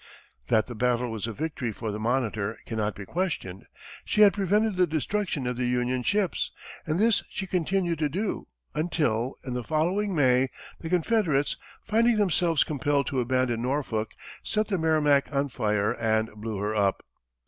That the battle was a victory for the Monitor cannot be questioned; she had prevented the destruction of the Union ships, and this she continued to do, until, in the following May, the Confederates, finding themselves compelled to abandon Norfolk, set the Merrimac on fire and blew her up.